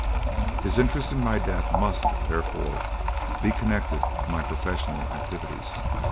His interest in my death must, therefore, be connected with my professional activities.